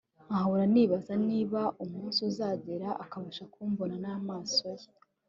nkahora nibaza niba umunsi uzagera akabasha kumbona n’amaso ye